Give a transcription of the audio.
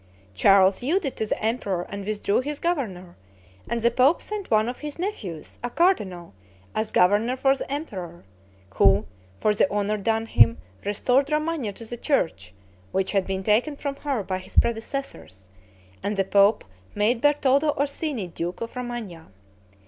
Charles yielded to the emperor and withdrew his governor, and the pope sent one of his nephews, a cardinal, as governor for the emperor, who, for the honor done him, restored Romagna to the church, which had been taken from her by his predecessors, and the pope made Bertoldo Orsino duke of Romagna.